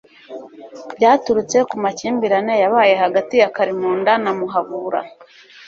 byaturutse ku makimbirane yabaye hagati ya kalimunda na muhabura